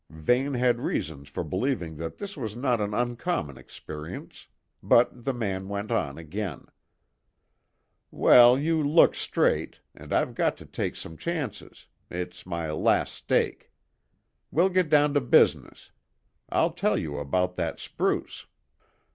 Vane had reasons for believing that this was not an uncommon experience; but the man went on again: "Well, you look straight, and I've got to take some chances; it's my last stake. We'll get down to business; I'll tell you about that spruce."